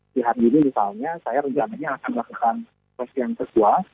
di hari ini misalnya saya rencananya akan melakukan proses yang kedua